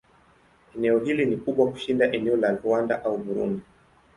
Eneo hili ni kubwa kushinda eneo la Rwanda au Burundi.